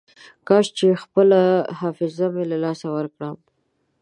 کاش چې خپله حافظه مې له لاسه ورکړم.